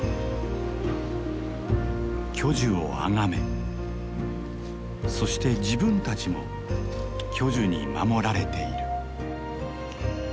巨樹をあがめそして自分たちも巨樹に守られている。